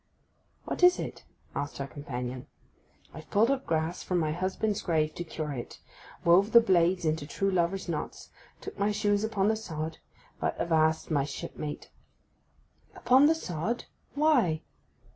'What is it?' asked her companion. 'I've pulled grass from my husband's grave to cure it—wove the blades into true lover's knots; took off my shoes upon the sod; but, avast, my shipmate,—' 'Upon the sod—why?